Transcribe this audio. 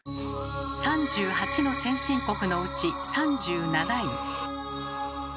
３８の先進国のうち３７位。